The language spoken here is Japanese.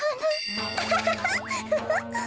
アハハハ